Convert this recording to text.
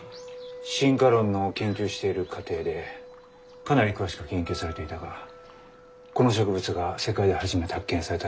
進化論の研究している過程でかなり詳しく研究されていたがこの植物が世界で初めて発見されたのはインド。